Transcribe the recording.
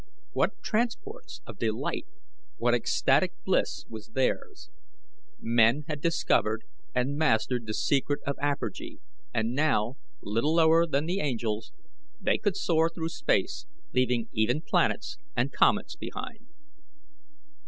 What transports of delight, what ecstatic bliss, was theirs! Men had discovered and mastered the secret of apergy, and now, "little lower than the angels," they could soar through space, leaving even planets and comets behind.